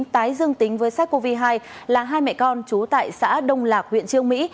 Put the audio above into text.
tái dương tính với sars cov hai là hai mẹ con chú tại xã đông lạc huyện trương mỹ